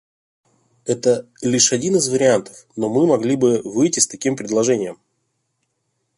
Это лишь один из вариантов, но мы могли бы выйти с таким предложением.